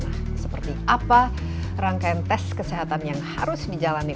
nah seperti apa rangkaian tes kesehatan yang harus dijalani